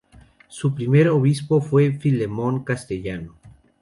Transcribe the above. Su primer obispo fue Filemón Castellano.